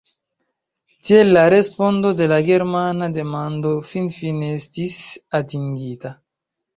Tiel la respondo de la germana demando finfine estis atingita.